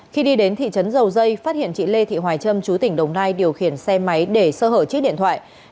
khi đi đến thị trấn dầu dây phát hiện chị lê thị hoài trâm chú tỉnh đồng nai điều khiển xe máy để sơ hở chiếc điện thoại